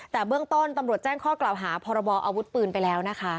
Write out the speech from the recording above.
แต่เบื้องต้นตำรวจแจ้งข้อกล่าวหาพรบออาวุธปืนไปแล้วนะคะ